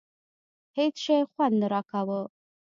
هېڅ شي خوند نه راکاوه.